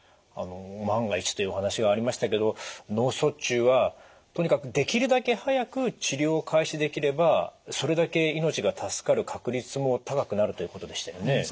あの万が一というお話がありましたけど脳卒中はとにかくできるだけ早く治療を開始できればそれだけ命が助かる確率も高くなるということでしたよね。